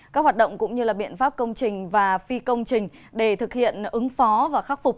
các hoạt động cũng như biện pháp công trình và phi công trình để thực hiện ứng phó và khắc phục